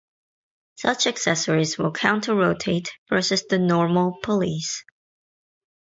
Such accessories will counter-rotate versus the "normal" pulleys.